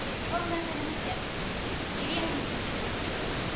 懇願されまして知り合いの事務所を引き継ぐことに。